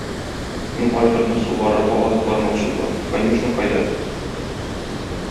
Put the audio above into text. Мин айгырны сугарырга алып бармакчы булам, конюшня кайда?